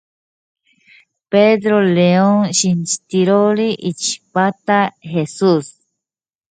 Pedro León, miembro de la Compañía de Jesús.